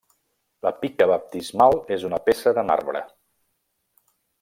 La pica baptismal és una peça de marbre.